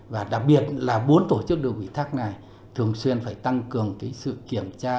và đặc biệt là bốn tổ chức được ủy thác này thường xuyên phải tăng cường sự kiểm tra